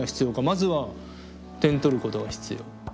まずは点取ることが必要。